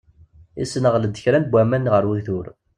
Yessenɣel-d kra n waman ɣer ugdur.